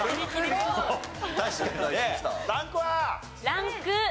ランクは？